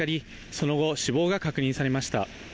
その後、死亡が確認されました。